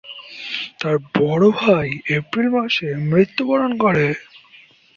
তার বড় ভাই এপ্রিল মাসে মৃত্যুবরণ করে।